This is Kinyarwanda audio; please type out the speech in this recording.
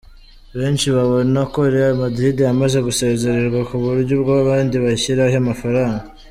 benshi babona ko Real Madrid yamaze gusezererwa kuburyo ubwo abandi bashyiraho amafaranga.